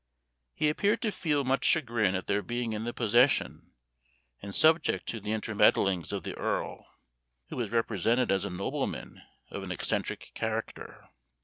He appeared to feel much chagrin at their being in the possession, and subject to the intermeddlings of the Earl, who was represented as a nobleman of an eccentric character.